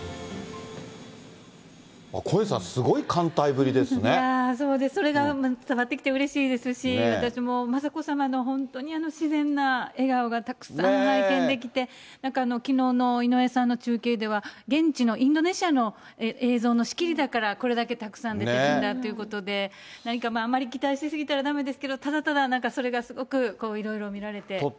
小西さん、そうですね、それが伝わってきてうれしいですし、私も雅子さまの本当に自然な笑顔がたくさん拝見できて、なんか、きのうの井上さんの中継では、現地のインドネシアの映像のしきりだから、これだけたくさん出てくるんだということで、何か、あまり期待しすぎたらだめですけど、ただただ、なんかそれがすごく、いろいろ見られてうれしいです。